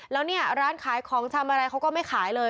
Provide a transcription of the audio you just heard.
แล้วเนี่ยร้านขายของชำอะไรเขาก็ไม่ขายเลย